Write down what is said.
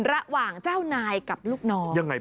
ระหว่างเจ้านายกับลูกน้อง